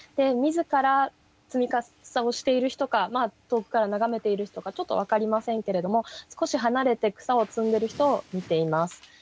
自ら摘草をしている人か遠くから眺めている人かちょっと分かりませんけれども少し離れて草を摘んでる人を見ています。